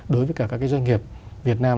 đối với các doanh nghiệp việt nam